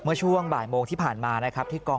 ช่วงบ่ายโมงที่ผ่านมานะครับที่กอง